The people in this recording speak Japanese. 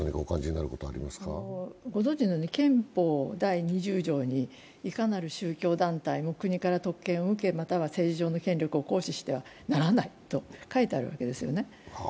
ご存じのように憲法第２０条にいかなる宗教団体も国から特権を受けまたは政治上の権力を行使してはならないと書いてあるわけです。